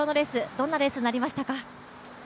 どんなレースになりましたか？